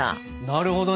なるほどね。